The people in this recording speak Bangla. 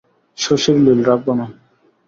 শশীর লিল, রাখব না?